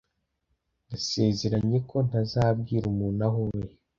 Ndasezeranye ko ntazabwira umuntu aho uri.